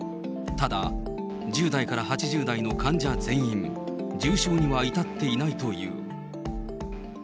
ただ、１０代から８０代の患者全員、重症には至っていないという。